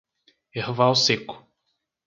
Erval Seco